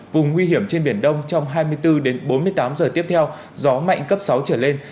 vùng nguy hiểm trên biển đông trong hai mươi bốn bốn mươi tám giờ tiếp theo gió mạnh cấp sáu trở lên